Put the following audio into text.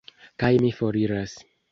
Kaj mi foriras.